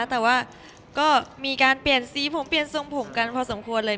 แต่ว่าก็มีการเปลี่ยนสีผมเปลี่ยนทรงผมกันพอสมควรเลย